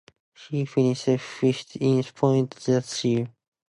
He finished fifth in points that year.